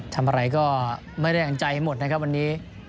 ทำอะไรก็ไม่ได้เอาใจหมดนะครับวันนี้